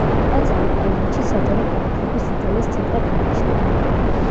ტაძარი ტაილანდში საჯარო განათლების უძველეს ცენტრად მიიჩნევა.